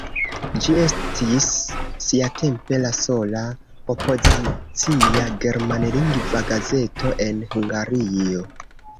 Ĝi estis siatempe la sola opozicia germanlingva gazeto en Hungario.